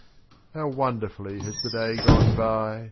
I lOI How wonderfully has the day gone by